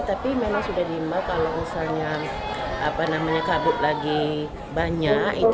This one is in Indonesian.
tapi memang sudah diimbau kalau misalnya kabut lagi banyak